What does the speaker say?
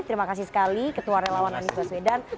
terima kasih sekali ketua relawan anies baswedan